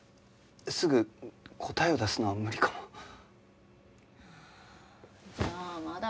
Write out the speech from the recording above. すぐ答えを出すのは無理かも。